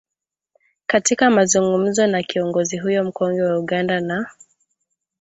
katika mazungumzo na kiongozi huyo mkongwe wa Uganda na